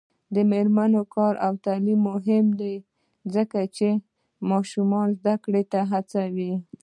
د میرمنو کار او تعلیم مهم دی ځکه چې ماشومانو زدکړې ته هڅوي.